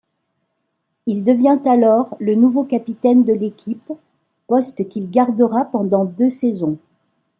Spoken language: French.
Il devient alors le nouveau capitaine de l'équipe, poste qu'il gardera pendant deux saisons.